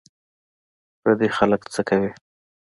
پردي خلک څه کوې